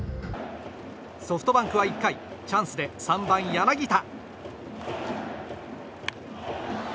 ソフトバンクは１回チャンスで３番、柳田。